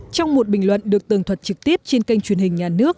trong một bình luận được tường thuật trực tiếp trên kênh truyền hình nhà nước